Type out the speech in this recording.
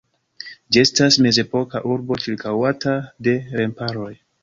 Ĝi estas mezepoka urbo ĉirkaŭata de remparoj.